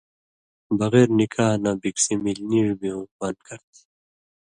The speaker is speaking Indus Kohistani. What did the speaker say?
بغیر نکاح نہ بِکسی مِلیۡ نیڙ بیوں بَن کر چھی۔